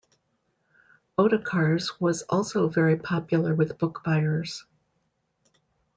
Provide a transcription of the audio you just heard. Ottakar's was also very popular with book buyers.